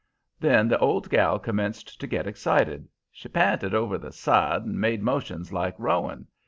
"Then the old gal commenced to get excited. She p'inted over the side and made motions like rowing.